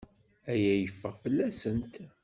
Aya yeffeɣ fell-asent.